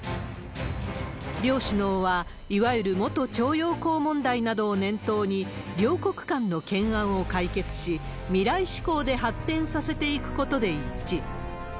両首脳は、いわゆる元徴用工問題などを念頭に、両国間の懸案を解決し、未来志向で発展させていくことで一致。